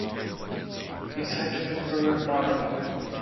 A scientific furor followed.